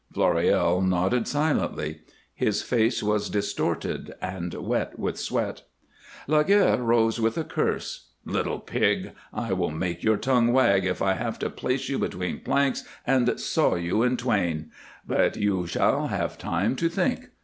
Floréal nodded silently; his face was distorted and wet with sweat. Laguerre rose with a curse. "Little pig! I will make your tongue wag if I have to place you between planks and saw you in twain. But you shall have time to think.